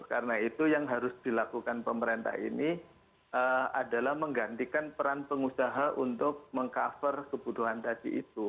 karena itu yang harus dilakukan pemerintah ini adalah menggantikan peran pengusaha untuk meng cover kebutuhan tadi itu